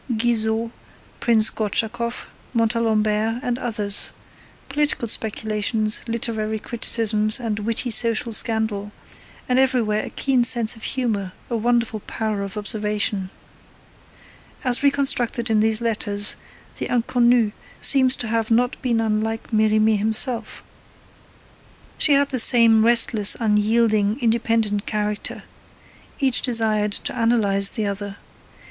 Guizot, Prince Gortschakoff, Montalembert, and others; political speculations, literary criticisms, and witty social scandal; and everywhere a keen sense of humour, a wonderful power of observation. As reconstructed in these letters, the Inconnue seems to have been not unlike Merimee himself. She had the same restless, unyielding, independent character. Each desired to analyse the other.